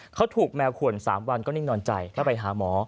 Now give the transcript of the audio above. เขาถูกแมวขวน๓วันก็นิ่งนอนใจก็ไปหาหมอ